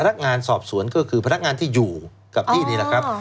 นักงานสอบสวนก็คือพนักงานที่อยู่กับที่นี่แหละครับ